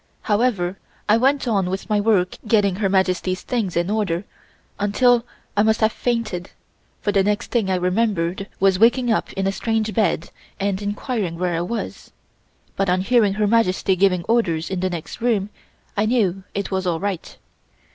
However, I went on with my work getting Her Majesty's things in order until I must have fainted, for the next thing I remembered was waking up in a strange bed and inquiring where I was, but on hearing Her Majesty giving orders in the next room, I knew it was all right.